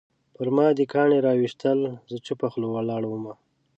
پرما دې کاڼي راویشتل زه چوپه خوله ولاړم